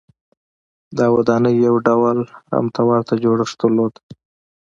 دا ودانۍ یو ډول هرم ته ورته جوړښت درلود.